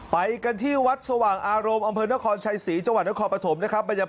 ไปกันที่วัดสว่างอารมณ์อำเภอนครชัยศรีจังหวัดนครปฐมนะครับ